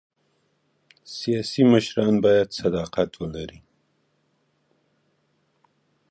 سیاسي مشران باید صداقت ولري